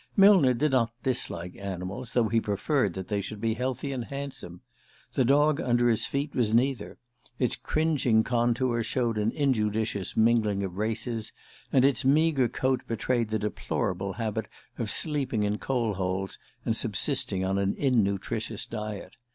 Millner did not dislike animals, though he preferred that they should be healthy and handsome. The dog under his feet was neither. Its cringing contour showed an injudicious mingling of races, and its meagre coat betrayed the deplorable habit of sleeping in coal holes and subsisting on an innutritious diet.